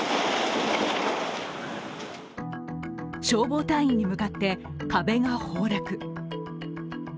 消防隊員に向かって壁が崩落。